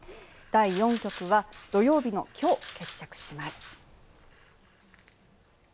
第４局は土曜日の今日、決着します。